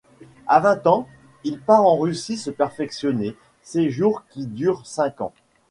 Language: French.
À vingt ans, il part en Russie se perfectionner, séjour qui dure cinq ans.